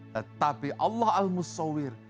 tetapi allah al musawwir